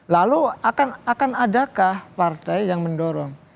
lalu akan adakah partai yang mendorong